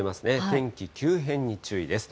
天気急変に注意です。